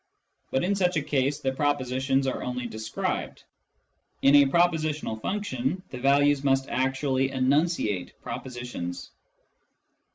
But in such a case the propositions are only described : in a preposi tional function, the values must actually enunciate propositions.